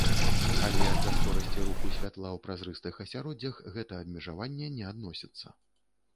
Але да скорасці руху святла ў празрыстых асяроддзях гэта абмежаванне не адносіцца.